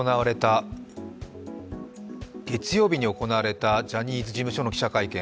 月曜日に行われたジャニーズ事務所の記者会見。